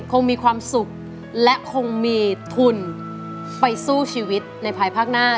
คงมีความสุขและคงมีทุนไปสู้ชีวิตในภายภาคหน้า